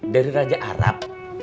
dari raja arab